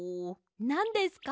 なんですか？